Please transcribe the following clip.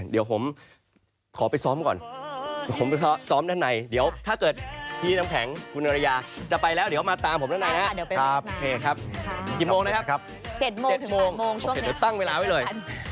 กี่โมงนะครับ๗โมงถึง๘โมงช่วงนี้โอเคเดี๋ยวตั้งเวลาให้เลย